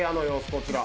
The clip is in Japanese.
こちら。